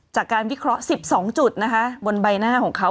จากการวิเคราะห์๑๒จุดนะคะบนใบหน้าของเขา